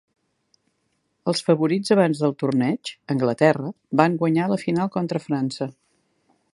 Els favorits abans del torneig, Anglaterra, van guanyar la final contra França.